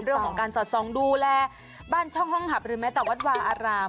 เรื่องของการสอดส่องดูแลบ้านช่องห้องหับหรือแม้แต่วัดวาอาราม